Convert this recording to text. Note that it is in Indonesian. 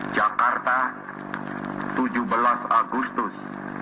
jakarta tujuh belas agustus seribu sembilan ratus empat puluh lima